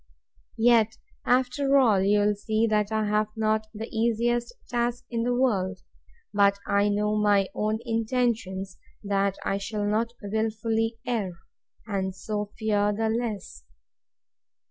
Yet, after all, you'll see I have not the easiest task in the world. But I know my own intentions, that I shall not wilfully err; and so fear the less.